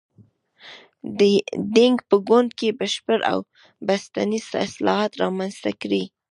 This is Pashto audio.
دینګ په ګوند کې بشپړ او بنسټیز اصلاحات رامنځته کړي.